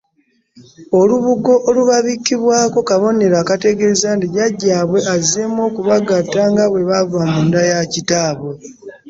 Olubugo olubabikkibwako kabonero akategeeza nti jjajjaabwe azzeemu okubagatta nga bwe baava munda ya kitaabwe.